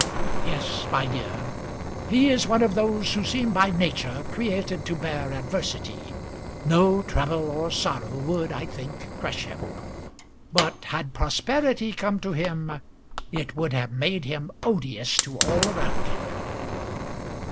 "Yes, my dear. He is one of those who seem by nature created to bear adversity. No trouble or sorrow would I think crush him. But had prosperity come to him, it would have made him odious to all around him.